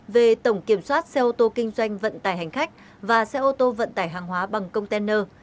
về tổng kiểm soát xe ô tô kinh doanh vận tải hành khách và xe ô tô vận tải hàng hóa bằng container